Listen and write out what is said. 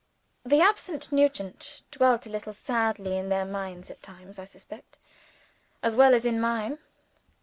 The absent Nugent dwelt a little sadly in their minds at times, I suspect, as well as in mine.